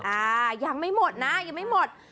อ่ายังไม่หมดนะยังไม่หมด